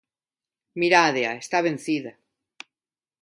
Mirádea, está vencida.